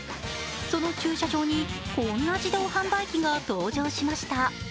その駐車場に、こんな自動販売機が登場しました。